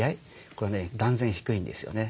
これね断然低いんですよね。